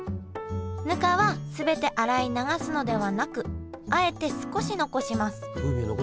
ぬかは全て洗い流すのではなくあえて少し残します。